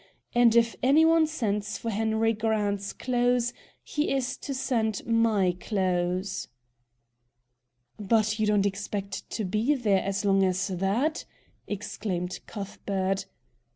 And if any one sends for Henry Grant's clothes, he is to send MY clothes." "But you don't expect to be in there as long as that?" exclaimed Cuthbert.